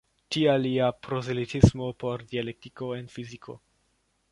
Tial lia prozelitismo por dialektiko en fiziko.